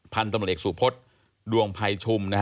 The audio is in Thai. พัฒนธรรมเอกสูตพศดวงภัยชุม